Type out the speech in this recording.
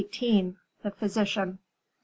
The Physician. M.